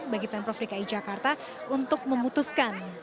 bagi pemprov dki jakarta untuk memutuskan